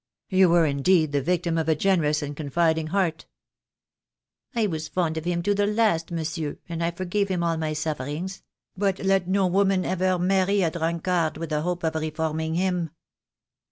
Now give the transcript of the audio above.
"You were indeed the victim of a generous and con fiding heart." "I was fond of him to the last, monsieur, and I for gave him all my sufferings; but let no woman ever marry a drunkard with the hope of reforming him."